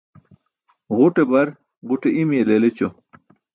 Ġuṭe bar ġuṭe i̇mi̇ye leel ećo.